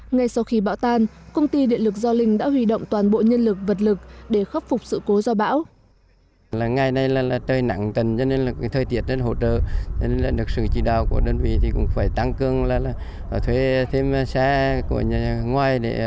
ngay sau khi bão tan công ty điện lực gio linh đã huy động toàn bộ nhân lực vật lực để khắc phục sự cố do bão